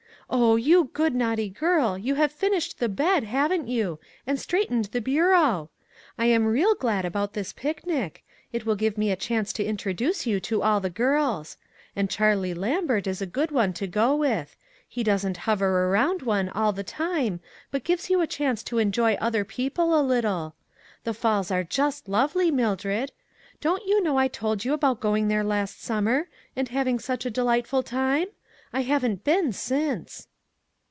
Oh ! you good, naughty girl, you have finished the bed, haven't you, and straightened the bureau? I am real glad about this picnic ; it will give me a chance to introduce you to all the girls. And Charlie Lambert is a good one to go with; he doesn't hover around STEP BY STEP. 49 one all the time, but gives you a chance to enjoy other people a little. The falls are just lovely, Mildred. Don't you know I told you about going there last summer, and having such a delightful time? I haven't been since."